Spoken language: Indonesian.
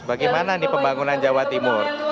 bagaimana ini pembangunan jawa timur